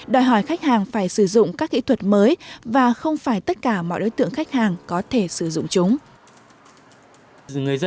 đòi hỏi khách hàng phải sử dụng các kỹ thuật mới và không phải tất cả mọi đối tượng khách hàng có thể sử dụng chúng